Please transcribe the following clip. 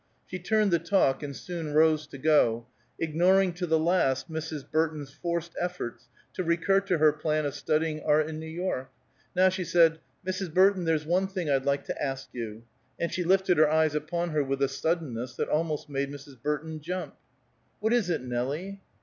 She turned the talk, and soon rose to go, ignoring to the last Mrs. Burton's forced efforts to recur to her plan of studying art in New York. Now she said: "Mrs. Burton, there's one thing I'd like to ask you," and she lifted her eyes upon her with a suddenness that almost made Mrs. Burton jump. "What is it, Nelie?"